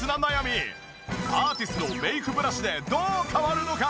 アーティスのメイクブラシでどう変わるのか？